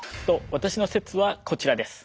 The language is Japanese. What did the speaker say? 私の説はこちらです。